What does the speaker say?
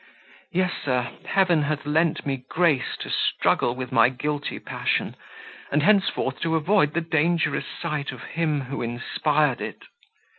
Yes, sir, Heaven hath lent me grace to struggle with my guilty passion, and henceforth to avoid the dangerous sight of him, who inspired it.